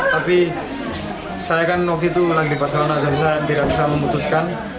tapi saya kan waktu itu lagi di barcelona jadi saya tidak bisa memutuskan